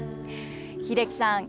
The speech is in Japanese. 英樹さん